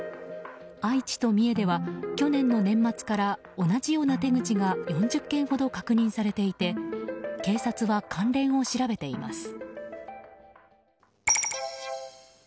愛知と三重では、去年の年末から同じような手口が４０件ほど確認されていて警察は関連を調べています。